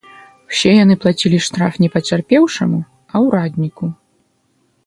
Усе яны плацілі штраф не пацярпеўшаму, а ўрадніку.